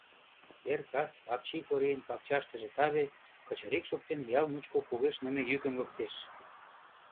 Эр-кас Апчи Корийын пакчаштыже таве, кычырик шоктен, ял мучко кугешныме йӱкым луктеш.